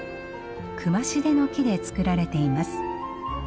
クマシデの木で作られています。